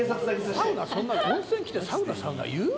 サウナそんな温泉来てサウナサウナ言う？